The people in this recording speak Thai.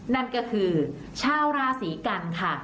นั่นก็คือชาวราศีกันค่ะ